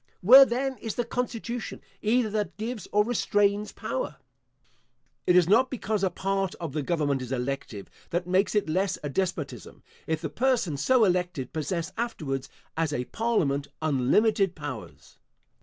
Where then is the constitution either that gives or restrains power? It is not because a part of the government is elective, that makes it less a despotism, if the persons so elected possess afterwards, as a parliament, unlimited powers.